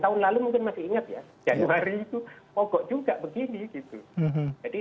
tahun lalu mungkin masih ingat ya januari itu pogok juga begini